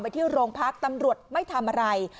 ที่โรงพักตำรวจไม่ทำอะไร